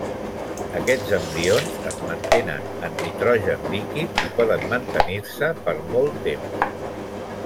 Aquests embrions es mantenen en nitrogen líquid i poden mantenir-se per molt temps.